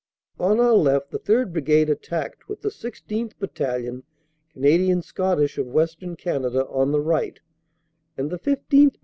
On our left the 3rd. Brigade attacked with the 16th. Bat talion, Canadian Scottish of Western Canada, on the right, and the 15th.